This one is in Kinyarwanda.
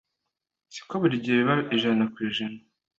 siko buri gihe biba ijana ku ijana.